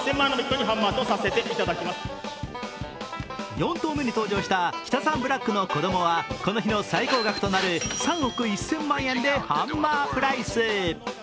４頭目に登場したキタサンブラックの子供はこの日の最高額となる３億１０００万円でハンマープライス。